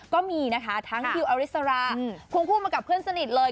ก็มีนะคะทั้งทิวอริสราควงคู่มากับเพื่อนสนิทเลย